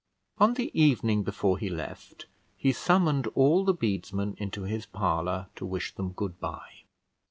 On the evening before he left, he summoned all the bedesmen into his parlour to wish them good bye.